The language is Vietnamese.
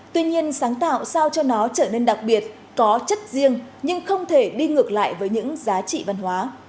tuy nhiên sáng tạo sao cho nó trở nên đặc biệt có chất riêng nhưng không thể đi ngược lại với những giá trị văn hóa